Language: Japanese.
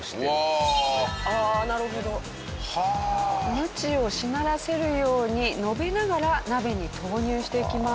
ムチをしならせるように延べながら鍋に投入していきます。